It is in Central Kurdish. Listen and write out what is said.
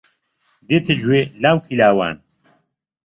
دێتە گوێ لاوکی لاوان